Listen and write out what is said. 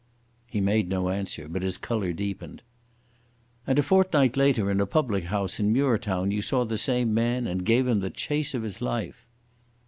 He made no answer, but his colour deepened. "And a fortnight later in a public house in Muirtown you saw the same man, and gave him the chase of his life."